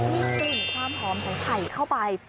มีกลิ่นความหอมของไผ่เข้าไป